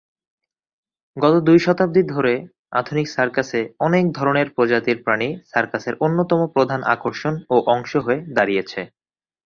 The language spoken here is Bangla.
গত দুই শতাব্দী ধরে আধুনিক সার্কাসে অনেক ধরনের প্রজাতির প্রাণী সার্কাসের অন্যতম প্রধান আকর্ষণ ও অংশ হয়ে দাঁড়িয়েছে।